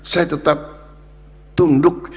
saya tetap tunduk